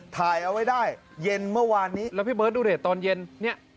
ถ่ายเอาไว้ได้เย็นเมื่อวานนี้แล้วพี่เบิร์ตดูดิตอนเย็นเนี่ย